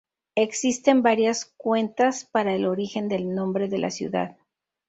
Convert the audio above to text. Existen varias cuentas para el origen del nombre de la ciudad.